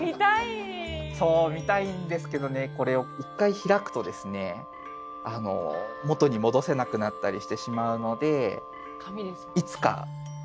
そう見たいんですけどねこれを一回開くと元に戻せなくなったりしてしまうのでいつかこの仏様を開ける時が来たら。